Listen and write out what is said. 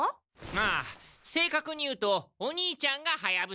まあ正確に言うとお兄ちゃんがはやぶさ。